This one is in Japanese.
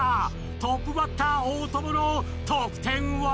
トップバッター大友の得点は？